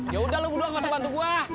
ya udah lo berdua gak usah bantu gue